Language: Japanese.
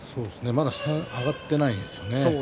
まだ上がっていないですよね。